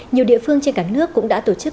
nhiều địa phương trên cả nước cũng đã tổ chức